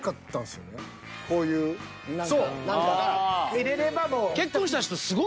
入れればもう。